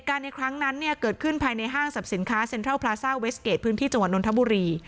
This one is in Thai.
อืมเกิดขึ้นภายในห้างสับสินค้าเซนเติร์ลพลาซ่าเวสเกจพื้นที่จังหวันดนทบุรี